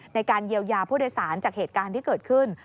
ในการเยียวยาผู้โดยสารจากเหตุการณ์ที่เกิดขึ้น